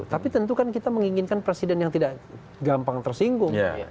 tapi tentu kan kita menginginkan presiden yang tidak gampang tersinggung